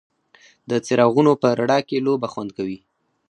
د څراغونو په رڼا کې لوبه خوند کوي.